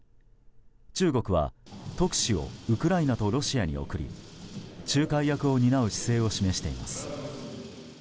中国は特使をウクライナとロシアに送り仲介役を担う姿勢を示しています。